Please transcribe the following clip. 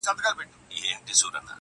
• خو د هري یوې بېل جواب لرمه -